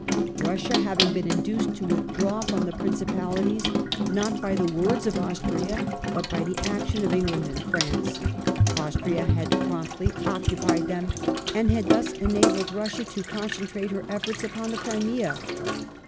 Russia having been induced to withdraw from the Principalities, not by the words of Austria, but by the action of England and France, Austria had promptly occupied them, and had thus enabled Russia to concentrate her efforts upon the Crimea.